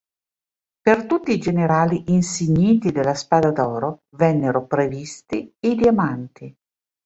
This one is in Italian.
Per tutti i generali insigniti della spada d'oro vennero previsti i diamanti.